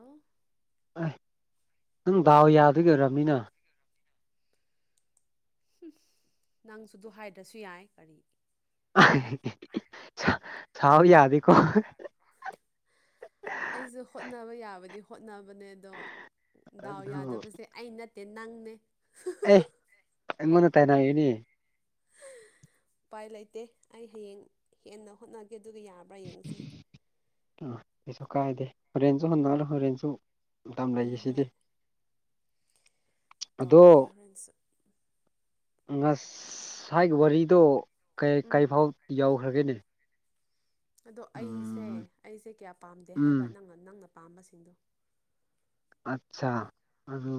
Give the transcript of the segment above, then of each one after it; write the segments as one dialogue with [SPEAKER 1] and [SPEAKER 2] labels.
[SPEAKER 1] ꯑꯣ
[SPEAKER 2] ꯑꯥꯏ ꯅꯪ ꯗꯥꯎ ꯌꯥ
[SPEAKER 1] ꯗꯥꯎ ꯌꯥꯕꯒꯤ ꯑꯣꯏꯔꯝꯅꯤꯅ [unintelligible] ꯍꯨꯝ ꯅꯪꯁꯨ ꯑꯗꯨ ꯍꯥꯏꯗ꯭ꯔꯁꯨ ꯌꯥꯏ ꯀꯔꯤ
[SPEAKER 2] [unintelligible] ꯁꯥ ꯁꯥꯎ ꯌꯥꯗꯦ
[SPEAKER 1] ꯁꯥꯎ ꯌꯥꯗꯦꯀꯣ ꯑꯩꯁꯨ ꯍꯣꯠꯅꯕ ꯌꯥꯕꯗꯤ ꯍꯣꯠꯅꯕꯅꯦ ꯑꯗꯣ ꯗꯥꯎ
[SPEAKER 2] ꯑꯗꯨ
[SPEAKER 1] ꯌꯥꯗꯕꯁꯦ ꯑꯩ ꯅꯠꯇꯦ ꯅꯪꯅꯦ [unintelligible]
[SPEAKER 2] ꯑꯦ ꯑꯩꯉꯣꯟꯗ ꯇꯥꯢꯅꯔꯦꯅꯦ
[SPEAKER 1] [unintelligible] ꯎꯄꯥꯏ ꯂꯩꯇꯦ ꯑꯩ ꯍꯌꯦꯡ ꯍꯦꯟꯅ ꯍꯣꯠꯅꯒꯦ ꯑꯗꯨꯒ ꯌꯥꯕ꯭ꯔꯥ ꯌꯦꯡꯁꯦ
[SPEAKER 2] ꯑꯥ ꯀꯩꯁꯨ ꯀꯥꯏꯗꯦ ꯍꯣꯔꯦꯟꯁꯨ ꯍꯣꯠꯅꯔꯣ ꯍꯣꯔꯦꯟꯁꯨ ꯃꯇꯝ
[SPEAKER 1] ꯍꯣꯏ
[SPEAKER 2] ꯂꯩꯑꯦꯁꯤꯗꯤ
[SPEAKER 1] ꯍꯣꯏ
[SPEAKER 2] ꯑꯗꯣ
[SPEAKER 1] ꯇꯧꯒꯦ ꯍꯣꯔꯦꯟꯁꯨ
[SPEAKER 2] ꯉꯁꯥꯏ ꯋꯥꯔꯤꯗꯣ ꯀꯩ ꯀꯩ
[SPEAKER 1] ꯎꯝ
[SPEAKER 2] ꯐꯥꯎ ꯌꯧꯈ꯭ꯔꯒꯦꯅꯦ
[SPEAKER 1] ꯑꯗꯣ ꯑꯩꯁꯦ
[SPEAKER 2] ꯎꯝ
[SPEAKER 1] ꯑꯩꯁꯦ ꯀꯌꯥ ꯄꯥꯝꯗꯦ
[SPEAKER 2] ꯎꯝ
[SPEAKER 1] ꯍꯥꯏꯕ ꯅꯪꯅ ꯅꯪꯅ ꯄꯥꯝꯕꯁꯤꯡꯗꯣ
[SPEAKER 2] ꯑꯠꯁꯥ ꯑꯗꯨ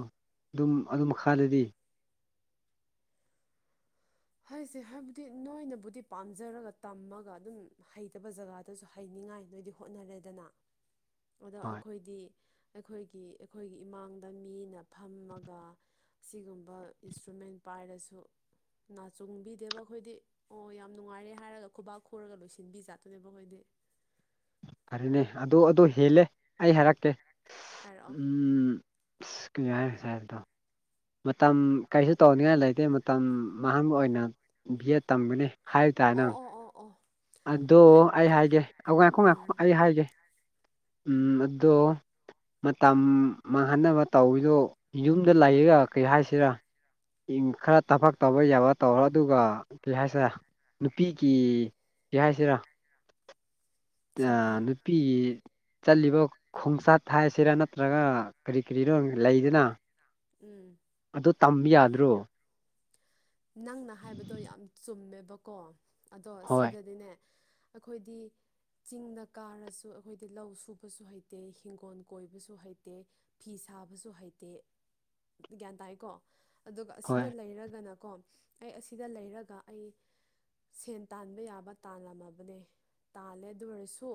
[SPEAKER 2] ꯑꯗꯨꯝ ꯑꯗꯨ ꯃꯈꯥꯗꯗꯤ
[SPEAKER 1] ꯍꯩꯁꯦ ꯍꯥꯏꯕꯗꯤ ꯅꯣꯏꯅꯕꯨꯗꯤ ꯄꯥꯝꯖꯔꯒ ꯇꯝꯃꯒ ꯑꯗꯨꯝ ꯍꯩꯇꯕ ꯖꯒꯥꯗꯁꯨ ꯍꯩꯅꯤꯡꯉꯥꯏ ꯅꯣꯏꯗꯤ ꯍꯣꯠꯅꯔꯦꯗꯅ ꯑꯗꯣ
[SPEAKER 2] ꯍꯣꯏ
[SPEAKER 1] ꯑꯈꯣꯏꯗꯤ ꯑꯩꯈꯣꯏꯒꯤ ꯑꯩꯈꯣꯏꯒꯤ ꯏꯃꯥꯡꯗ ꯃꯤꯅ ꯐꯝꯃꯒ ꯁꯤꯒꯨꯝꯕ ꯏꯟꯁꯇ꯭ꯔꯨꯃꯦꯟ ꯄꯥꯏꯔꯁꯨ ꯅꯥꯆꯨꯡꯕꯤꯗꯦꯕ ꯑꯈꯣꯏꯗꯤ ꯑꯣ ꯌꯥꯝ ꯅꯨꯡꯉꯥꯏꯔꯦ ꯍꯥꯏꯔꯒ ꯈꯨꯕꯥꯛ ꯈꯨꯔꯒ ꯂꯣꯏꯁꯤꯟꯕꯤꯖꯥꯠꯇꯨꯅꯦꯕ ꯑꯈꯣꯏꯗꯤ
[SPEAKER 2] ꯐꯔꯦꯅꯦ ꯑꯗꯣ ꯑꯗꯣ ꯍꯦꯜꯂꯦ ꯑꯩ ꯍꯥꯏꯔꯛꯀꯦ [unintelligible]
[SPEAKER 1] ꯍꯥꯏꯔꯛꯑꯣ
[SPEAKER 2] ꯎꯝ ꯑꯁ ꯀꯩ ꯍꯥꯏ ꯉꯁꯥꯏ ꯍꯥꯏꯕꯗꯣ ꯃꯇꯝ ꯀꯩꯁꯨ ꯇꯧꯅꯤꯡꯉꯥꯏ ꯂꯩꯇꯦ ꯃꯇꯝ ꯃꯥꯡꯍꯟꯕ ꯑꯣꯏꯅ ꯕꯤ ꯑꯦꯠ ꯇꯝꯕꯅꯦ ꯍꯥꯏꯕ ꯇꯥꯔꯦ
[SPEAKER 1] ꯑꯣ
[SPEAKER 2] ꯅꯪ
[SPEAKER 1] ꯑꯣ ꯑꯣ ꯑꯣ
[SPEAKER 2] ꯑꯗꯣ ꯑꯩ ꯍꯥꯏꯒꯦ ꯑꯧ ꯉꯥꯏꯈꯣ ꯉꯥꯏꯈꯣ
[SPEAKER 1] ꯎꯝ
[SPEAKER 2] ꯑꯩ ꯍꯥꯏꯒꯦ ꯎꯝ ꯑꯗꯣ ꯃꯇꯝ ꯃꯥꯡꯍꯟꯅꯕ ꯇꯧꯔꯤꯗꯣ ꯌꯨꯝꯗ ꯂꯩꯔꯒ ꯀꯩ ꯍꯥꯏꯁꯤꯔꯥ ꯏꯝ ꯈꯔ ꯇꯐꯛ ꯇꯧꯕ ꯌꯥꯕ ꯇꯧꯔꯣ ꯑꯗꯨꯒ ꯀꯩ ꯍꯥꯏꯁꯤꯔꯥ ꯅꯨꯄꯤꯒꯤ ꯀꯩ ꯍꯥꯏꯁꯤꯔꯥ
[SPEAKER 1] [inaudible]
[SPEAKER 2] ꯇꯥ ꯅꯨꯄꯤꯒꯤ ꯆꯠꯂꯤꯕ ꯈꯣꯡꯆꯥꯠ ꯍꯥꯏꯁꯤꯔꯥ ꯅꯠꯇ꯭ꯔꯥꯒ ꯀꯔꯤ ꯀꯔꯤꯔꯣ ꯂꯩꯗꯅ
[SPEAKER 1] ꯎꯝ
[SPEAKER 2] ꯑꯗꯨ ꯇꯝꯕ ꯌꯥꯗ꯭ꯔꯣ
[SPEAKER 1] ꯅꯪꯅ ꯍꯥꯏꯕꯗꯣ ꯌꯥꯝ ꯆꯨꯝꯃꯦꯕꯀꯣ ꯑꯗꯣ
[SPEAKER 2] ꯍꯣꯏ
[SPEAKER 1] ꯁꯤꯗꯗꯤꯅꯦ ꯑꯈꯣꯏꯗꯤ ꯆꯤꯡꯗ ꯀꯥꯔꯥꯁꯨ ꯑꯩꯈꯣꯏꯗꯤ ꯂꯧ ꯁꯨꯕꯁꯨ ꯍꯩꯇꯦ ꯍꯤꯡꯒꯣꯜ ꯀꯣꯏꯕꯁꯨ ꯍꯩꯇꯦ ꯐꯤ ꯁꯥꯕꯖꯨ ꯍꯩꯇꯦ ꯒ꯭ꯌꯥꯟ ꯇꯥꯏꯀꯣ ꯑꯗꯨꯒ
[SPEAKER 2] ꯍꯣꯏ
[SPEAKER 1] ꯑꯁꯤꯗ ꯂꯩꯔꯒꯅꯀꯣ ꯑꯩ ꯑꯁꯤꯗ ꯂꯩꯔꯒ ꯑꯩ ꯁꯦꯟ ꯇꯥꯟꯕ ꯌꯥꯕ ꯇꯥꯜꯂꯝꯃꯕꯅꯦ ꯇꯥꯜꯂꯦ ꯑꯗꯨ ꯑꯣꯏꯔꯁꯨ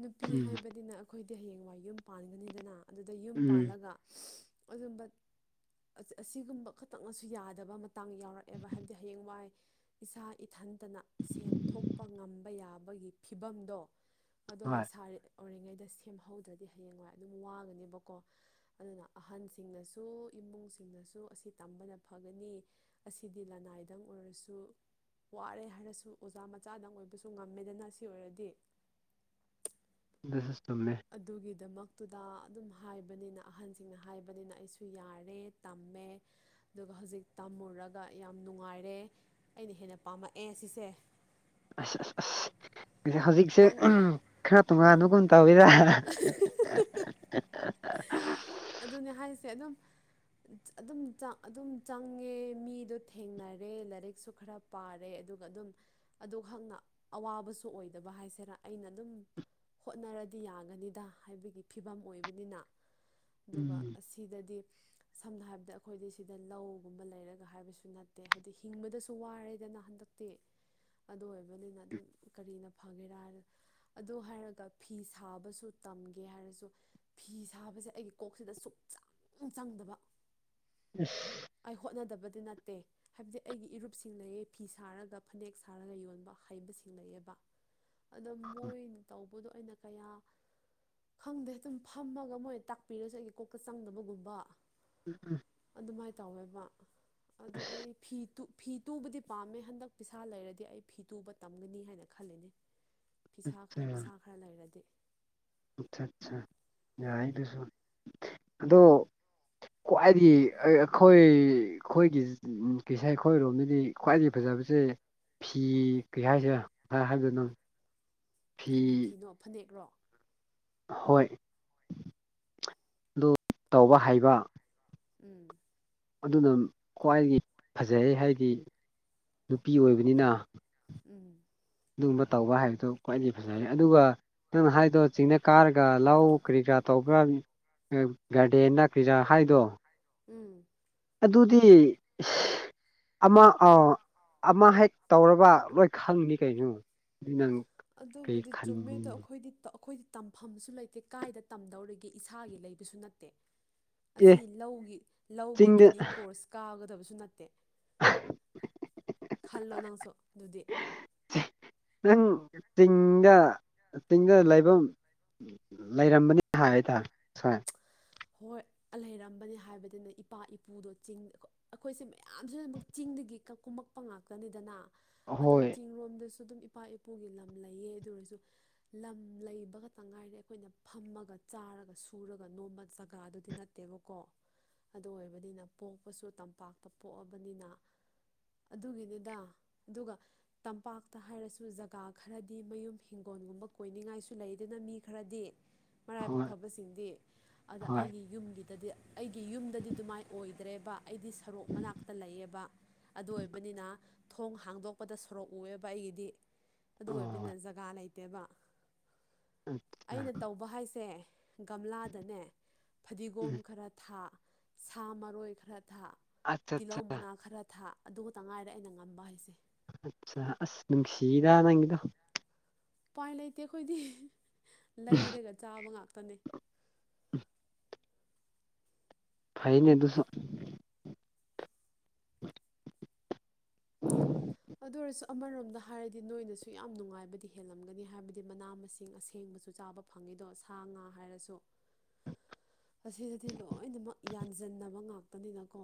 [SPEAKER 1] ꯅꯨꯄꯤ
[SPEAKER 2] ꯎꯝ
[SPEAKER 1] ꯍꯥꯏꯕꯗꯤꯅ ꯑꯩꯈꯣꯏꯗꯤ ꯍꯌꯦꯡꯋꯥꯏ ꯌꯨꯝ ꯄꯥꯟꯒꯥꯅꯤꯗꯅ ꯑꯗꯨꯗ ꯌꯨꯝ
[SPEAKER 2] ꯎꯝ
[SPEAKER 1] ꯄꯥꯜꯂꯒꯥ ꯑꯗꯨꯝꯕꯠ ꯑꯁ ꯑꯁꯤꯒꯨꯝꯕ ꯈꯥꯇꯪꯅꯁꯨ ꯌꯥꯗꯕ ꯃꯇꯥꯡ ꯌꯥꯎꯔꯛꯑꯦꯕ ꯍꯥꯏꯕꯗꯤ ꯍꯌꯦꯡꯋꯥꯏ ꯏꯁꯥ ꯏꯊꯟꯇꯥꯅ ꯁꯦꯟ ꯊꯣꯛꯄ ꯉꯝꯕ ꯌꯥꯕꯒꯤ ꯐꯤꯕꯝꯗꯣ ꯑꯗꯣ
[SPEAKER 2] ꯍꯣꯏ
[SPEAKER 1] ꯂꯩꯁꯥꯔꯤ ꯑꯣꯏꯔꯤꯉꯩꯗ ꯁꯦꯝꯍꯧꯗ꯭ꯔꯥꯗꯤ ꯍꯌꯦꯡꯋꯥꯏ ꯑꯗꯨꯝ ꯋꯥꯒꯥꯅꯦꯕꯀꯣ ꯑꯗꯨꯅ ꯑꯍꯟꯁꯤꯡꯅꯁꯨ ꯏꯃꯨꯡ ꯁꯤꯡꯅꯁꯨ ꯑꯁꯤ ꯇꯝꯕꯅ ꯐꯒꯥꯅꯤ ꯑꯁꯤꯗꯤ ꯂꯅꯥꯏꯗꯪ ꯑꯣꯏꯔꯁꯨ ꯋꯥꯔꯦ ꯍꯥꯏꯔꯁꯨ ꯑꯣꯖꯥ ꯃꯆꯥꯗꯪ ꯑꯣꯏꯕꯁꯨ ꯉꯝꯃꯦꯗꯅ ꯁꯤ ꯑꯣꯏꯔꯗꯤ
[SPEAKER 2] ꯗꯨꯁꯨ ꯆꯨꯝꯃꯦ
[SPEAKER 1] ꯑꯗꯨꯒꯤꯗꯥꯃꯛꯇꯨꯗ ꯑꯗꯨꯝ ꯍꯥꯏꯕꯅꯤꯅ ꯑꯍꯟꯁꯤꯡꯅ ꯍꯥꯏꯕꯅꯤꯅ ꯑꯩꯁꯨ ꯌꯥꯔꯦ ꯇꯝꯃꯦ ꯑꯗꯨꯒꯥ ꯍꯧꯖꯤꯛ ꯇꯝꯃꯨꯔꯒꯥ ꯌꯥꯝ ꯅꯨꯡꯉꯥꯏꯔꯦ ꯑꯩꯅ ꯍꯦꯟꯅ ꯄꯥꯝꯃꯛꯑꯦ ꯁꯤꯁꯦ
[SPEAKER 2] ꯑꯁ ꯑꯁ ꯑꯁ ꯍꯧꯖꯤꯛꯁꯦ
[SPEAKER 1] ꯅꯪ
[SPEAKER 2] ꯎꯝ ꯈꯔ ꯇꯣꯉꯥꯟꯕꯒꯨꯝ ꯇꯧꯋꯤꯔꯥ
[SPEAKER 1] ꯑꯗꯨꯅꯦ ꯍꯥꯏꯁꯦ ꯑꯗꯨꯝ ꯑꯗꯨꯝ ꯆꯪ ꯑꯗꯨꯝ ꯆꯪꯉꯦ ꯃꯤꯗꯣ ꯊꯦꯡꯅꯔꯦ ꯂꯥꯏꯔꯤꯛꯁꯨ ꯈꯔ ꯄꯥꯔꯦ ꯑꯗꯨꯒꯥ ꯑꯗꯨꯝ ꯑꯗꯨꯍꯛꯅ ꯑꯋꯥꯕꯁꯨ ꯑꯣꯏꯗꯕ ꯍꯥꯏꯁꯦꯔꯥ ꯑꯩꯅ ꯑꯗꯨꯝ ꯍꯣꯠꯅꯔꯥꯗꯤ ꯌꯥꯒꯥꯅꯤꯗ ꯍꯥꯏꯕꯒꯤ ꯐꯤꯕꯝ ꯑꯣꯏꯕꯅꯤꯅ ꯑꯗꯨꯒꯥ
[SPEAKER 2] ꯎꯝ
[SPEAKER 1] ꯑꯁꯤ ꯍꯤꯗꯥꯗꯤ ꯁꯝꯅ ꯍꯥꯏꯔꯕꯗ ꯑꯈꯣꯏꯗꯤ ꯁꯤꯗ ꯂꯧꯒꯨꯝꯕ ꯂꯩꯔꯒꯥ ꯍꯥꯏꯕꯁꯨ ꯅꯠꯇꯦ ꯍꯥꯏꯗꯤ ꯍꯤꯡꯕꯗꯁꯨ ꯋꯥꯔꯦꯗꯅ ꯍꯟꯗꯛ ꯇꯤ ꯑꯗꯨ ꯑꯣꯏꯕꯅꯤꯅ ꯑꯗꯨꯝ ꯀꯔꯤꯅ ꯐꯒꯦꯔꯥ ꯑꯗꯨ ꯍꯥꯏꯔꯒꯥ ꯐꯤ ꯐꯤ ꯁꯥꯕꯁꯨ ꯇꯝꯒꯦ ꯍꯥꯏꯔꯁꯨ ꯐꯤ ꯁꯥꯕꯖꯦ ꯑꯩꯒꯤ ꯀꯣꯛꯁꯤꯗ ꯁꯨꯛꯆꯪ ꯆꯪꯗꯕ
[SPEAKER 2] ꯏꯁ
[SPEAKER 1] ꯑꯩ ꯍꯣꯠꯅꯗꯥꯕꯗꯤ ꯅꯠꯇꯦ ꯍꯥꯏꯕꯗꯤ ꯑꯩꯒꯤ ꯏꯔꯨꯞꯁꯤꯡ ꯂꯩꯌꯦ ꯐꯤ ꯁꯥꯔꯒꯥ ꯐꯅꯦꯛ ꯁꯥꯔꯒꯥ ꯌꯣꯟꯕ ꯍꯩꯕꯁꯤꯡ ꯂꯩꯑꯕ ꯑꯗꯥ ꯃꯣꯏ ꯇꯧꯕꯗꯣ ꯑꯩꯅ ꯀꯌꯥ ꯈꯪꯗꯦ ꯑꯗꯨꯝ ꯐꯝꯃꯒꯥ ꯃꯣꯏ ꯇꯥꯛꯄꯤꯔꯁꯨ ꯑꯩꯒꯤ ꯀꯣꯛꯇꯥ ꯆꯪꯗꯕꯒꯨꯝꯕ
[SPEAKER 2] ꯎꯝ ꯎꯝ
[SPEAKER 1] ꯑꯗꯨꯃꯥꯏ ꯇꯧꯋꯦꯕ ꯑꯗꯣ ꯑꯩ ꯐꯤ ꯇꯨ ꯐꯤ ꯇꯨꯕꯗꯤ ꯄꯥꯝꯃꯦ ꯍꯟꯗꯛ ꯄꯩꯁꯥ ꯂꯩꯔꯗꯤ ꯑꯩ ꯐꯤ ꯇꯨꯕ ꯇꯝꯒꯥꯅꯤ ꯍꯥꯏꯅ ꯈꯜꯂꯤꯅꯤ ꯐꯤꯁꯥ ꯈꯔ ꯄꯤꯁꯥ ꯈꯔ ꯂꯩꯔꯗꯤ
[SPEAKER 2] ꯑꯆꯥ ꯑꯆꯥ ꯌꯥꯏ ꯗꯨꯁꯨ ꯑꯗꯣ ꯈ꯭ꯋꯥꯏꯗꯤ ꯑꯩꯈꯣꯏ ꯑꯩꯈꯣꯏꯒꯤ ꯎꯝ ꯀꯤꯁꯥꯏ ꯈꯣꯏꯔꯣꯝꯗꯗꯤ ꯈ꯭ꯋꯥꯏꯗꯥꯒꯤ ꯐꯖꯕꯁꯦ ꯐꯤ ꯀ꯭ꯔꯤ ꯍꯥꯏꯁꯤꯔꯥ [unintelligible] ꯍꯥꯏꯕꯗꯣ ꯅꯪ
[SPEAKER 1] ꯀꯔꯤ ꯐꯤꯅꯣ ꯐꯥꯅꯦꯛꯔꯣ
[SPEAKER 2] ꯍꯣꯏ ꯑꯗꯨ ꯇꯧꯕ ꯍꯩꯕ
[SPEAKER 1] ꯎꯝ
[SPEAKER 2] ꯑꯗꯨꯅ ꯈ꯭ꯋꯥꯏꯗꯒꯤ ꯐꯖꯩ ꯍꯥꯏꯗꯤ ꯅꯨꯄꯤ ꯑꯣꯏꯕꯅꯤꯅ
[SPEAKER 1] ꯎꯝ
[SPEAKER 2] ꯑꯗꯨꯒꯨꯝꯕ ꯇꯧꯕ ꯍꯥꯏꯕꯗꯣ ꯈ꯭ꯋꯥꯏꯗꯒꯤ ꯐꯖꯔꯦ ꯑꯗꯨꯒ ꯅꯪꯅ ꯍꯥꯏꯗꯣ ꯆꯤꯡꯅ ꯀꯥꯔꯒ ꯂꯧ ꯀꯔꯤ ꯀꯔꯥ ꯇꯧꯕ꯭ꯔꯥ ꯒꯥꯔꯗꯦꯟꯅ ꯀꯔꯤꯔꯥ ꯍꯥꯏꯗꯣ
[SPEAKER 1] ꯎꯝ
[SPEAKER 2] ꯑꯗꯨꯗꯤ ꯑꯃ ꯑꯃ ꯍꯦꯛ ꯇꯧꯔꯕ ꯂꯣꯏ ꯈꯪꯅꯤ ꯀꯩꯅꯣ ꯑꯗꯨ ꯅꯪ ꯀꯩ
[SPEAKER 1] ꯑꯗꯨꯕꯨꯗꯤ ꯆꯨꯝꯃꯤꯗꯣ
[SPEAKER 2] ꯈꯟꯕꯅꯣ
[SPEAKER 1] ꯑꯩꯈꯣꯏ ꯑꯩꯈꯣꯏꯗꯤ ꯇ ꯑꯩꯈꯣꯏ ꯇꯝꯐꯝꯁꯨ ꯂꯩꯇꯦ ꯀꯥꯏꯗ ꯇꯝꯗꯧꯔꯤꯒꯦ ꯏꯁꯥꯒꯤ ꯂꯩꯕꯁꯨ ꯅꯠꯇꯦ
[SPEAKER 2] ꯑꯦ
[SPEAKER 1] ꯑꯁꯤ ꯂꯧꯒꯤ ꯂꯧꯒꯤ
[SPEAKER 2] ꯆꯤꯡꯗ
[SPEAKER 1] ꯇ꯭ꯔꯦꯅꯤꯡ ꯀꯣꯔꯁ ꯀꯥꯒꯗꯕꯁꯨ ꯅꯠꯇꯦ ꯈꯜꯂꯣ ꯅꯪꯁꯨ ꯑꯗꯨꯗꯤ
[SPEAKER 2] ꯅꯪ ꯆꯤꯡꯗ ꯆꯤꯡꯗ ꯂꯩꯐꯝ ꯂꯩꯔꯝꯕꯅꯤꯅ ꯍꯥꯏ [unintelligible]
[SPEAKER 1] ꯍꯣꯏ ꯂꯩꯔꯝꯕꯅꯦ ꯍꯥꯏꯕꯗꯨꯅ ꯏꯄꯥ ꯏꯄꯨꯗꯣ ꯆꯤꯡꯗ ꯑꯩꯈꯣꯏꯁꯦ ꯃꯌꯥꯝꯁꯨ ꯑꯗꯨꯝꯃꯛ ꯆꯤꯡꯗꯒꯤ ꯀꯨꯝꯃꯛꯄ ꯉꯥꯛꯇꯅꯤꯗꯅ ꯑꯗꯣ
[SPEAKER 2] ꯍꯣꯏ
[SPEAKER 1] ꯆꯤꯡꯔꯣꯝꯗꯁꯨ ꯑꯗꯨꯝ ꯏꯄꯥ ꯏꯄꯨꯒꯤ ꯂꯝ ꯂꯩꯌꯦ ꯑꯗꯨ ꯑꯣꯏꯔꯁꯨ ꯂꯝ ꯂꯩꯕ ꯈꯇꯥ ꯉꯥꯏꯔꯦ ꯑꯩꯈꯣꯏꯅ ꯐꯝꯃꯒ ꯆꯥꯔꯒ ꯁꯨꯔꯒ ꯅꯣꯝꯕ ꯖꯒꯥꯗꯨꯗꯤ ꯅꯠꯇꯦꯕꯀꯣ ꯑꯗꯨ ꯑꯣꯏꯕꯅꯤꯅ ꯄꯣꯛꯄꯁꯨ ꯇꯝꯄꯥꯛꯇ ꯄꯣꯛꯑꯕꯅꯤꯅ ꯑꯗꯨꯒꯤꯅꯤꯗ ꯑꯗꯨꯒ ꯇꯝꯄꯥꯛꯇ ꯍꯥꯏꯔꯁꯨ ꯖꯒꯥ ꯈꯔꯗꯤ ꯃꯌꯨꯝ ꯍꯤꯡꯒꯣꯜꯒꯨꯝꯕ ꯀꯣꯏꯅꯤꯡꯉꯥꯏꯁꯨ ꯂꯩꯗꯅ ꯃꯤ ꯈꯔꯗꯤ ꯃꯔꯥꯏꯕꯛ
[SPEAKER 2] ꯍꯣꯏ
[SPEAKER 1] ꯐꯕꯁꯤꯡꯗꯤ ꯑꯗ
[SPEAKER 2] ꯍꯣꯏ
[SPEAKER 1] ꯑꯩꯒꯤ ꯌꯨꯝꯒꯤꯗꯗꯤ ꯑꯩꯒꯤ ꯌꯨꯝꯗꯗꯤ ꯑꯗꯨꯃꯥꯏꯅ ꯑꯣꯏꯗ꯭ꯔꯦꯕ ꯑꯩꯗꯤ ꯁꯔꯣꯛ ꯃꯅꯥꯛꯇ ꯂꯩꯌꯦꯕ ꯑꯗꯨ ꯑꯣꯏꯕꯅꯤꯅ ꯊꯣꯡ ꯍꯥꯡꯗꯣꯛꯄꯗ ꯁꯣꯔꯣꯛ ꯎꯑꯦꯕ ꯑꯩꯒꯤꯗꯤ ꯑꯗꯨ ꯑꯣꯏꯕꯅꯤꯅ
[SPEAKER 2] ꯑꯣ
[SPEAKER 1] ꯖꯒꯥ ꯂꯩ ꯗꯦꯕ
[SPEAKER 2] ꯑꯠꯆꯥ
[SPEAKER 1] ꯑꯩꯅ ꯇꯧꯕ ꯍꯥꯏꯁꯦ ꯒꯝꯂꯥꯗꯅꯦ ꯐꯗꯤꯒꯣꯝ
[SPEAKER 2] ꯎꯝ
[SPEAKER 1] ꯈꯔ ꯊꯥ ꯁꯥ ꯃꯔꯣꯏ ꯈꯔ ꯊꯥ
[SPEAKER 2] ꯑꯠꯆꯥ ꯑꯠꯆꯥ
[SPEAKER 1] ꯇꯤꯜꯍꯧ ꯃꯅꯥ ꯈꯔ ꯊꯥ ꯑꯗꯨ ꯈꯇꯉꯥꯏꯔꯦ ꯑꯩꯅ ꯉꯝꯕ ꯍꯥꯏꯁꯦ
[SPEAKER 2] ꯑꯆꯥ ꯑꯁ ꯅꯨꯡꯁꯤꯗꯥ ꯅꯪꯒꯤꯗꯣ
[SPEAKER 1] ꯎꯄꯥꯏ ꯂꯩꯇꯦ ꯑꯩꯈꯣꯏꯗꯤ ꯂꯩꯔꯒ ꯆꯥꯕ ꯉꯥꯛꯇꯅꯦ
[SPEAKER 2] ꯐꯩꯅꯦ ꯑꯗꯨꯁꯨ [unintelligible]
[SPEAKER 1] ꯑꯗꯨ ꯑꯣꯏꯔꯁꯨ ꯑꯃꯔꯣꯝꯗ ꯍꯥꯏꯔꯗꯤ ꯅꯣꯏꯅꯁꯨ ꯌꯥꯝ ꯅꯨꯡꯉꯥꯏꯕꯗꯤ ꯍꯦꯜꯂꯝꯒꯅꯤ ꯍꯥꯏꯕꯗꯤ ꯃꯅꯥ ꯃꯁꯤꯡ ꯑꯁꯦꯡꯕꯖꯨ ꯆꯥꯕ ꯐꯪꯉꯤꯗꯣ ꯁꯥ ꯉꯥ ꯍꯥꯏꯔꯁꯨ ꯑꯁꯤꯗꯗꯤ ꯂꯣꯏꯅꯃꯛ ꯌꯥꯟꯖꯤꯟꯅꯕ ꯉꯥꯛꯇꯅꯤꯅꯀꯣ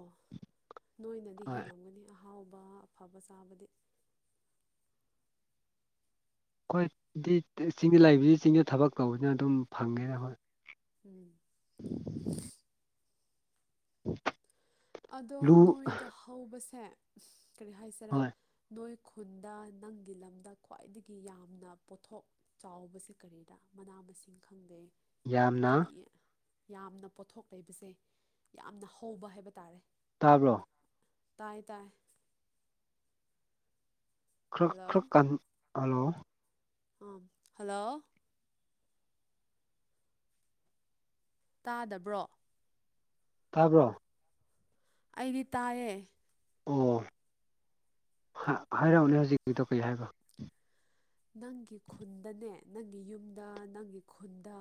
[SPEAKER 1] ꯅꯣꯏꯅꯗꯤ
[SPEAKER 2] ꯍꯣꯏ
[SPEAKER 1] ꯍꯦꯜꯂꯝꯒꯅꯤ ꯑꯍꯥꯎꯕ ꯑꯐꯕ ꯆꯥꯕꯗꯤ
[SPEAKER 2] ꯑꯩꯈꯣꯏꯗꯤ ꯆꯤꯡꯗ ꯂꯩꯕꯅꯤꯅ ꯆꯤꯡꯗ ꯊꯕꯛ ꯇꯧꯔꯕꯅꯤꯅ ꯑꯗꯨꯝ ꯐꯪꯉꯦꯕ
[SPEAKER 1] ꯎꯝ
[SPEAKER 2] [inaudible] [inaudible]
[SPEAKER 1] ꯑꯗꯣ
[SPEAKER 2] ꯂꯨ
[SPEAKER 1] ꯅꯣꯏꯗ ꯍꯧꯕꯁꯦ ꯀꯔꯤ ꯍꯥꯏꯁꯤꯔꯥ
[SPEAKER 2] ꯍꯣꯏ
[SPEAKER 1] ꯅꯣꯏ ꯈꯨꯟꯗ ꯅꯪꯒꯤ ꯂꯝꯗ ꯈ꯭ꯋꯥꯏꯗꯒꯤ ꯌꯥꯝꯅ ꯄꯣꯠꯊꯣꯛ ꯆꯥꯎꯕꯁꯦ ꯀꯔꯤꯔ ꯃꯅꯥ ꯃꯁꯤꯡ ꯈꯪꯗꯦ
[SPEAKER 2] ꯌꯥꯝꯅ
[SPEAKER 1] ꯀꯔꯤ ꯌꯥꯝꯅ ꯄꯣꯠꯊꯣꯛ ꯂꯩꯕꯁꯦ ꯌꯥꯝꯅ ꯍꯧꯕ ꯍꯥꯏꯕ ꯇꯥꯔꯦ
[SPEAKER 2] ꯇꯥꯕ꯭ꯔꯣ
[SPEAKER 1] ꯇꯥꯏ ꯇꯥꯏ
[SPEAKER 2] ꯈꯔ
[SPEAKER 1] ꯍꯜꯂꯣ
[SPEAKER 2] ꯈꯔꯀꯟ ꯍꯜꯂꯣ
[SPEAKER 1] ꯎꯝ ꯍꯜꯂꯣ ꯇꯥꯗꯕ꯭ꯔꯣ
[SPEAKER 2] ꯇꯥꯕ꯭ꯔꯣ
[SPEAKER 1] ꯑꯩꯗꯤ ꯇꯥꯏꯌꯦ
[SPEAKER 2] ꯑꯣ ꯍꯥꯏꯔꯛꯑꯣꯅꯦ ꯍꯧꯖꯤꯛꯀꯤꯗꯣ ꯀꯩ ꯍꯥꯏꯕꯅꯣ
[SPEAKER 1] ꯅꯪꯒꯤ ꯈꯨꯟꯗꯅꯦ ꯅꯪꯒꯤ ꯌꯨꯝꯗ ꯅꯪꯒꯤ ꯈꯨꯟꯗ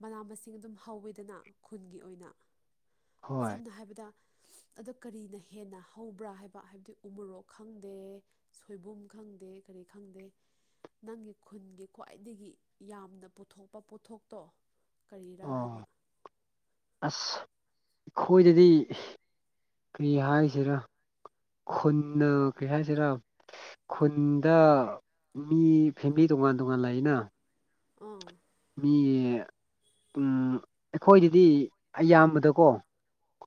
[SPEAKER 1] ꯃꯅꯥ ꯃꯁꯤꯡ ꯑꯗꯨꯝ ꯍꯧꯋꯦꯗꯅ ꯈꯨꯟꯒꯤ ꯑꯣꯏꯅ
[SPEAKER 2] ꯍꯣꯏ
[SPEAKER 1] ꯁꯝꯅ ꯍꯥꯏꯕꯗ ꯑꯗꯣ ꯀꯔꯤꯅ ꯍꯦꯟꯅ ꯍꯧꯕ꯭ꯔꯥ ꯍꯥꯏꯕ ꯍꯥꯏꯕꯗꯤ ꯎꯃꯣꯔꯣꯛ ꯈꯪꯗꯦ ꯁꯣꯏꯕꯨꯝ ꯈꯪꯗꯦ ꯀꯔꯤ ꯈꯪꯗꯦ ꯅꯪꯒꯤ ꯈꯨꯟꯒꯤ ꯈ꯭ꯋꯥꯏꯗꯒꯤ ꯌꯥꯝꯅ ꯄꯨꯊꯣꯛꯄ ꯄꯣꯠꯊꯣꯛꯇꯣ ꯀꯔꯤꯔꯥ
[SPEAKER 2] ꯑꯣ
[SPEAKER 1] ꯍꯥꯏꯕ
[SPEAKER 2] ꯑꯁ ꯑꯈꯣꯏꯗꯗꯤ ꯀ꯭ꯔꯤ ꯍꯥꯏꯁꯤꯔꯥ ꯈꯨꯟꯅ ꯀ꯭ꯔꯤ ꯍꯥꯏꯁꯤꯔꯥ ꯈꯨꯟꯗ ꯃꯤ ꯐꯦꯃꯦꯂꯤ ꯇꯣꯉꯥꯟ ꯇꯣꯉꯥꯟ ꯂꯩꯅ
[SPEAKER 1] ꯑꯥ
[SPEAKER 2] ꯃꯤ ꯄꯨꯟ ꯑꯩꯈꯣꯏꯗꯗꯤ ꯑꯌꯥꯝꯕꯗꯀꯣ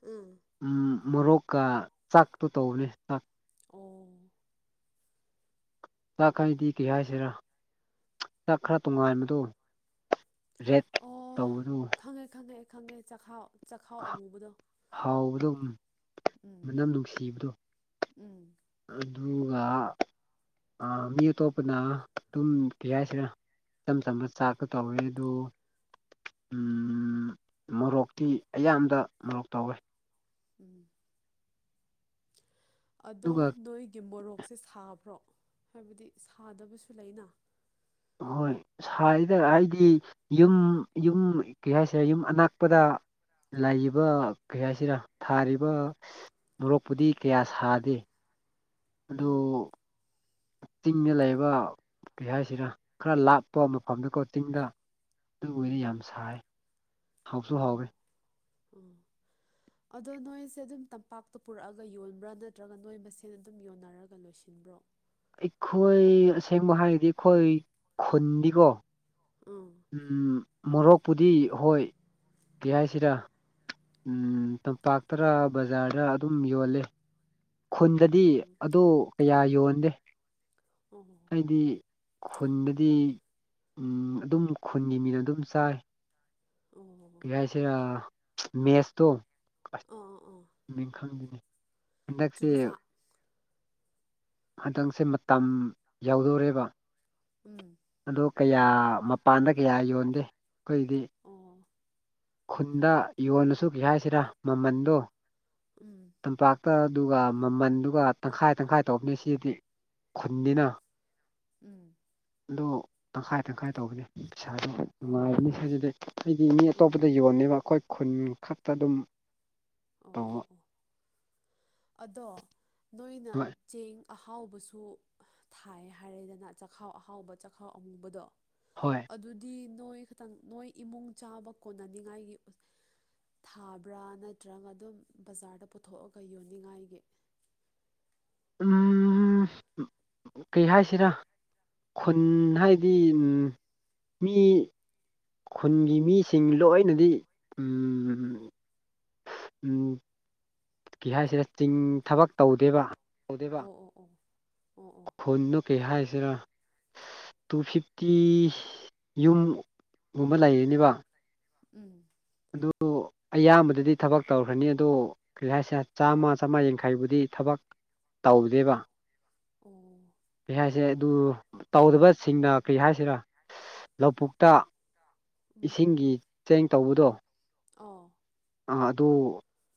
[SPEAKER 1] ꯎꯝ
[SPEAKER 2] ꯎꯝ ꯃꯣꯔꯣꯛꯀ ꯆꯥꯛꯇꯣ ꯇꯧꯕꯅꯦ ꯑ
[SPEAKER 1] ꯑꯣ
[SPEAKER 2] ꯆꯥꯛ ꯍꯥꯏꯗꯤ ꯀ꯭ꯔꯤ ꯍꯥꯏꯁꯤꯔꯥ ꯆꯥꯛ ꯈꯔ ꯇꯣꯡꯉꯥꯟꯕꯗꯣ ꯔꯦꯠ
[SPEAKER 1] ꯑꯍ ꯈꯪꯉꯦ ꯈꯪꯉꯦ ꯑꯩ ꯈꯪꯉꯦ ꯆꯥꯛꯍꯥꯎ ꯆꯥꯛꯍꯥꯎ ꯑꯃꯨꯕꯗꯣ
[SPEAKER 2] ꯍꯥꯎꯕꯗꯨꯝ
[SPEAKER 1] ꯎꯝ
[SPEAKER 2] ꯃꯅꯝ ꯅꯨꯡꯁꯤꯕꯗꯨ
[SPEAKER 1] ꯎꯝ
[SPEAKER 2] ꯑꯗꯨꯒ ꯑꯥ ꯃꯤ ꯑꯇꯣꯞꯄꯅ ꯑꯗꯨꯝ ꯀ꯭ꯔꯤ ꯍꯥꯏꯁꯤꯔ ꯏꯆꯝ ꯆꯝꯕ ꯆꯥꯛꯇ ꯇꯧꯋꯦ ꯑꯗꯨ ꯎꯝ ꯃꯣꯔꯣꯛꯇꯤ ꯑꯌꯥꯝꯕ ꯃꯣꯔꯣꯛ ꯇꯧꯋꯦ
[SPEAKER 1] ꯎꯝ ꯑꯗꯣ
[SPEAKER 2] ꯑꯗꯨꯒ
[SPEAKER 1] ꯅꯣꯏꯒꯤ ꯃꯣꯔꯣꯛꯁꯦ ꯁꯥ ꯕ꯭ꯔꯣ ꯍꯥꯏꯕꯗꯤ ꯁꯥꯗꯕꯁꯨ ꯂꯩꯅ
[SPEAKER 2] ꯍꯣꯏ ꯁꯥꯏꯗ ꯍꯥꯏꯗꯤ ꯌꯨꯝ ꯌꯨꯝ ꯀꯩ ꯍꯥꯏꯁꯤꯔ ꯌꯨꯝ ꯑꯅꯛꯄꯗ ꯂꯩꯕ ꯀꯩ ꯍꯥꯏꯁꯤꯔ ꯊꯥꯔꯤꯕ ꯃꯣꯔꯣꯛꯄꯨꯗꯤ ꯀꯌꯥ ꯁꯥꯗꯦ ꯑꯗꯨ
[SPEAKER 1] ꯎꯝ
[SPEAKER 2] ꯆꯤꯡꯗ ꯂꯩꯕ ꯀꯩ ꯍꯥꯏꯁꯤꯔ ꯈꯔ ꯂꯥꯞ ꯑꯗꯣ ꯃꯐꯝꯗꯀꯣ ꯆꯤꯡꯗ ꯑꯗꯨ ꯑꯣꯏꯗꯤ
[SPEAKER 1] ꯎꯝ
[SPEAKER 2] ꯌꯥꯝ ꯁꯥꯏ ꯍꯥꯎꯁꯨ ꯍꯥꯎꯋꯦ
[SPEAKER 1] ꯎꯝ ꯑꯗꯣ ꯅꯣꯏꯁꯦ ꯑꯗꯨꯝ ꯇꯝꯄꯥꯛꯇ ꯄꯨꯔꯛꯑꯒ ꯌꯣꯟꯕ꯭ꯔꯥ ꯅꯠꯇ꯭ꯔꯒ ꯅꯣꯏ ꯃꯁꯦꯟ ꯑꯗꯨꯝ ꯌꯣꯟꯅꯔꯒ ꯂꯣꯏꯁꯤꯟꯕ꯭ꯔꯣ
[SPEAKER 2] ꯑꯩꯈꯣꯏ ꯑꯁꯦꯡꯕ ꯍꯥꯏꯔꯗꯤ ꯑꯩꯈꯣꯏ ꯈꯨꯟꯗꯤꯀꯣ
[SPEAKER 1] ꯎꯝ
[SPEAKER 2] ꯎꯝ ꯃꯣꯔꯣꯛꯄꯨꯗꯤ ꯍꯣꯏ ꯀꯩ ꯍꯥꯏꯁꯤꯔ ꯎꯝ ꯇꯝꯄꯥꯛꯇꯔꯥ ꯕꯖꯥꯔꯗꯔ ꯑꯗꯨꯝ ꯌꯣꯜꯂꯦ ꯈꯨꯟꯗꯗꯤ
[SPEAKER 1] ꯎꯝ
[SPEAKER 2] ꯑꯗꯣ ꯀꯌꯥ ꯌꯣꯟꯗꯦ
[SPEAKER 1] ꯎꯝ
[SPEAKER 2] ꯍꯥꯏꯗꯤ ꯈꯨꯟꯗꯗꯤ ꯎꯝ ꯑꯗꯨꯝ ꯈꯨꯟꯒꯤ ꯃꯤꯅ ꯑꯗꯨꯝ ꯆꯥꯏ
[SPEAKER 1] ꯑꯣ
[SPEAKER 2] ꯆꯤꯔꯥ ꯃꯦꯁꯇꯣ
[SPEAKER 1] ꯑ ꯑꯥ
[SPEAKER 2] ꯃꯤꯡ ꯈꯪꯗꯦꯅꯦ ꯍꯟꯗꯛꯁꯦ
[SPEAKER 1] ꯆꯨꯒꯖꯥ
[SPEAKER 2] ꯍꯟꯗꯛꯁꯦ ꯃꯇꯝ ꯌꯧꯗꯣꯔꯦꯕ
[SPEAKER 1] ꯎꯝ
[SPEAKER 2] ꯑꯗꯣ ꯀꯌꯥ ꯃꯄꯥꯟꯗ ꯀꯌꯥ ꯌꯣꯟꯗꯦ ꯑꯩꯈꯣꯏꯗꯤ
[SPEAKER 1] ꯑꯣ
[SPEAKER 2] ꯈꯨꯟꯗ ꯌꯣꯜꯂꯁꯨ ꯀꯩ ꯍꯥꯏꯁꯤꯔꯥ ꯃꯃꯟꯗꯣ
[SPEAKER 1] ꯎꯝ
[SPEAKER 2] ꯇꯝꯄꯥꯛꯇ ꯑꯗꯨꯒ ꯃꯃꯟꯗꯨꯒ ꯇꯪꯈꯥꯏ ꯇꯪꯈꯥꯏ ꯇꯧꯕꯅꯤ ꯁꯤꯗꯤ ꯈꯨꯟꯅꯤꯅ
[SPEAKER 1] ꯎꯝ
[SPEAKER 2] ꯑꯗꯣ ꯇꯪꯈꯥꯏ ꯇꯪꯈꯥꯏ ꯇꯧꯕꯅꯦ ꯄꯩꯁꯥꯗꯣ ꯅꯨꯡꯉꯥꯏꯕꯅꯦ
[SPEAKER 1] ꯑꯣ
[SPEAKER 2] ꯑꯗꯨꯗꯩ ꯑꯩꯗꯤ ꯃꯤ
[SPEAKER 1] ꯑꯣ
[SPEAKER 2] ꯑꯇꯣꯞꯄꯗ
[SPEAKER 1] ꯑꯣ
[SPEAKER 2] ꯌꯣꯟꯗꯦꯕ ꯑꯩꯈꯣꯏ ꯈꯨꯟ ꯈꯛꯇ ꯑꯗꯨꯝ
[SPEAKER 1] ꯑꯣ ꯑꯣ
[SPEAKER 2] ꯇꯧꯕ
[SPEAKER 1] ꯑꯣ ꯑꯗꯣ ꯅꯣꯏꯅ
[SPEAKER 2] ꯍꯣꯏ
[SPEAKER 1] ꯆꯦꯡ ꯑꯍꯥꯎꯕꯁꯨ ꯊꯥꯏ ꯍꯥꯏꯔꯦꯗꯅ ꯆꯥꯛꯍꯥꯎ ꯑꯍꯥꯎꯕ ꯆꯥꯛꯍꯥꯎ ꯑꯃꯨꯕꯗꯣ
[SPEAKER 2] ꯍꯣꯏ
[SPEAKER 1] ꯑꯗꯨꯗꯤ ꯅꯣꯏ ꯈꯤꯇꯪ ꯅꯣꯏ ꯏꯃꯨꯡ ꯆꯥꯕ ꯀꯣꯟꯅꯅꯤꯡꯉꯥꯏꯒꯤ ꯊꯥꯕ꯭ꯔꯥ ꯅꯠꯇ꯭ꯔꯒ ꯑꯗꯨꯝ ꯕꯖꯥꯔꯗ ꯄꯨꯊꯣꯛꯑꯒ ꯌꯣꯟꯅꯤꯡꯉꯥꯏꯒꯤ
[SPEAKER 2] ꯎꯝ ꯀꯩ ꯍꯥꯏꯁꯤꯔꯥ ꯈꯨꯟ ꯍꯥꯏꯗꯤ ꯃꯤ ꯈꯨꯟꯒꯤ ꯃꯤꯁꯤꯡ ꯂꯣꯏꯅꯗꯤ ꯎꯝ ꯀꯩ ꯍꯥꯏꯁꯤꯔ ꯆꯤꯡ ꯊꯕꯛ ꯇꯧꯗꯦꯕ
[SPEAKER 1] ꯑꯣ ꯑꯣ ꯑꯣ ꯑꯣ ꯑꯣ
[SPEAKER 2] ꯈꯨꯟꯗꯨ ꯀꯩ ꯍꯥꯏꯁꯤꯔꯥ ꯇꯨ ꯐꯤꯐꯇꯤ ꯌꯨꯝꯒꯨꯝꯕ ꯂꯩꯔꯅꯦꯕ
[SPEAKER 1] ꯎꯝ
[SPEAKER 2] ꯑꯗꯨ ꯑꯌꯥꯝꯕꯗꯗꯤ ꯊꯕꯛ ꯇꯧꯈ꯭ꯔꯅꯤ ꯑꯗꯣ ꯀꯔꯤ ꯍꯥꯏꯁꯤꯔ ꯆꯥꯝꯃ ꯆꯥꯝꯃ ꯌꯥꯡꯈꯩꯕꯨꯗꯤ ꯊꯕꯛ ꯇꯧꯗꯦꯕ
[SPEAKER 1] ꯑꯣ
[SPEAKER 2] ꯀꯔꯤ ꯍꯥꯏꯁꯤꯔ ꯑꯗꯨ ꯇꯧꯗꯕꯁꯤꯡꯅ ꯀꯔꯤ ꯍꯥꯏꯁꯤꯔꯥ ꯂꯧꯕꯨꯛꯇ
[SPEAKER 1] ꯎꯝ
[SPEAKER 2] ꯏꯁꯤꯡꯒꯤ ꯆꯦꯡ ꯇꯧꯕꯗꯣ
[SPEAKER 1] ꯑꯧ
[SPEAKER 2] ꯑ ꯑꯗꯨ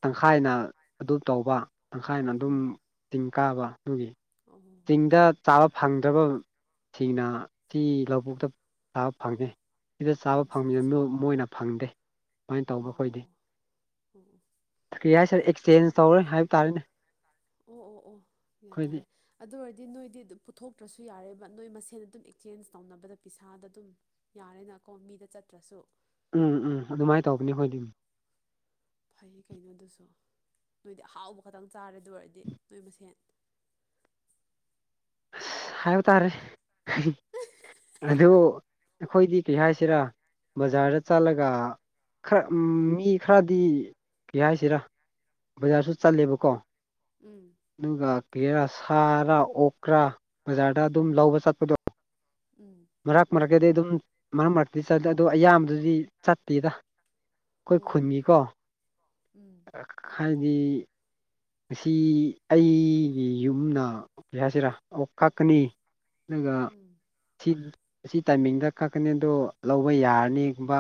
[SPEAKER 2] ꯇꯪꯈꯥꯏꯅ ꯑꯗꯨ ꯇꯧꯕ ꯇꯪꯈꯥꯏꯅ ꯑꯗꯨꯝ
[SPEAKER 1] ꯎꯝ
[SPEAKER 2] ꯆꯤꯡ ꯀꯥꯕ ꯑꯗꯨꯒꯤ
[SPEAKER 1] ꯑꯣ ꯑꯣ
[SPEAKER 2] ꯆꯤꯡꯗ ꯆꯥꯕ ꯐꯪꯗꯕꯁꯤꯡꯅ ꯁꯤ ꯂꯧꯕꯨꯛꯇ ꯆꯥꯕ ꯐꯪꯉꯦ ꯁꯤꯗ ꯆꯥꯕ
[SPEAKER 1] ꯑꯠꯆꯥ
[SPEAKER 2] ꯐꯪꯖꯅꯨ
[SPEAKER 1] ꯑꯠꯆꯥ
[SPEAKER 2] ꯃꯣꯏꯅ ꯐꯪꯗꯦ ꯁꯨꯃꯥꯏꯅ
[SPEAKER 1] ꯑꯣ
[SPEAKER 2] ꯇꯧꯕ
[SPEAKER 1] ꯑꯣ
[SPEAKER 2] ꯑꯩꯈꯣꯏꯗꯤ
[SPEAKER 1] ꯑꯣ ꯎꯝ
[SPEAKER 2] ꯀꯔꯤ ꯍꯥꯏꯁꯤꯔ ꯑꯦꯛꯆꯦꯟꯖ ꯇꯧꯔꯦ ꯍꯥꯏꯕ ꯇꯥꯔꯦꯅꯦ
[SPEAKER 1] ꯑꯣ ꯑꯣ ꯑꯣ ꯒ꯭ꯌꯥꯟ ꯇꯥꯔꯦ
[SPEAKER 2] ꯑꯩꯈꯣꯏꯗꯤ
[SPEAKER 1] ꯑꯗꯨ ꯑꯣꯏꯔꯗꯤ ꯅꯣꯏꯗꯤ ꯑꯗꯨꯝ ꯄꯨꯊꯣꯛꯇ꯭ꯔꯁꯨ ꯌꯥꯔꯦꯕ ꯅꯣꯏ ꯃꯁꯦꯟ ꯑꯗꯨꯝ ꯑꯦꯛꯆꯦꯟꯖ ꯇꯧꯅꯕꯗ ꯄꯩꯁꯥꯗ ꯑꯗꯨꯝ ꯌꯥꯔꯦꯅꯀꯣ ꯃꯤꯗ ꯆꯠꯇ꯭ꯔꯁꯨ
[SPEAKER 2] ꯎꯝ ꯎꯝ ꯑꯗꯨꯃꯥꯏꯅ ꯇꯧꯕꯅꯤ ꯑꯈꯣꯏꯗꯤ
[SPEAKER 1] ꯐꯩ ꯀꯩꯅꯣꯗꯨꯁꯨ ꯅꯣꯏꯗꯤ ꯑꯍꯥꯎꯕ ꯈꯛꯇꯪ ꯆꯥꯔꯦ ꯑꯗꯨ ꯑꯣꯏꯔꯗꯤ ꯅꯣꯏ ꯃꯁꯦꯟ
[SPEAKER 2] ꯑꯁ ꯍꯥꯏꯕ ꯇꯥꯔꯦ ꯑꯗꯨ ꯑꯩꯈꯣꯏꯗꯤ ꯀꯩ ꯍꯥꯏꯁꯤꯔꯥ ꯕꯖꯥꯔꯗ ꯆꯠꯂꯒ ꯈꯔ ꯃꯤ ꯈꯔꯗꯤ ꯀꯩ ꯍꯥꯏꯁꯤꯔꯥ ꯕꯖꯥꯔꯁꯨ ꯆꯠꯂꯦꯕꯀꯣ
[SPEAKER 1] ꯎꯝ
[SPEAKER 2] ꯑꯗꯨꯒ ꯀꯩꯔꯥ ꯁꯥꯔꯥ ꯑꯣꯛꯔꯥ ꯕꯖꯥꯔꯗ ꯑꯗꯨꯝ
[SPEAKER 1] ꯎꯝ
[SPEAKER 2] ꯂꯧꯕ ꯆꯠꯄꯗꯣ
[SPEAKER 1] ꯎꯝ
[SPEAKER 2] ꯃꯔꯛ ꯃꯔꯛꯇꯗꯤ ꯑꯗꯨꯝ ꯃꯔꯛ ꯃꯔꯛꯇꯗꯤ ꯆꯠꯂꯦ ꯑꯗꯣ ꯑꯌꯥꯝꯕꯗꯨꯗꯤ ꯆꯠꯇꯦꯗ ꯑꯩꯈꯣꯏ
[SPEAKER 1] ꯑꯣ
[SPEAKER 2] ꯈꯨꯟꯒꯤꯀꯣ
[SPEAKER 1] ꯎꯝ
[SPEAKER 2] ꯍꯥꯏꯗꯤ ꯉꯁꯤ ꯑꯩꯒꯤ ꯌꯨꯝꯅ ꯀꯩ ꯍꯥꯏꯁꯤꯔꯥ ꯑꯣꯛ ꯀꯛꯀꯅꯤ ꯑꯗꯨꯒ
[SPEAKER 1] ꯎꯝ
[SPEAKER 2] ꯁꯤ ꯁꯤ ꯇꯥꯏꯃꯤꯡꯗ ꯀꯛꯀꯅꯤ ꯑꯗꯣ ꯂꯧꯕ ꯌꯥꯔꯅꯤꯒꯨꯝꯕ